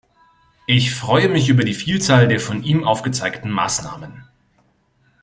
Ich freue mich über die Vielzahl der von ihm aufgezeigten Maßnahmen.